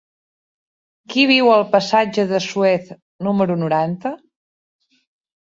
Qui viu al passatge de Suez número noranta?